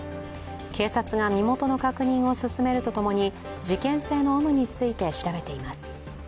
警察が身元の確認を進めるとともに事件性の有無について調べています。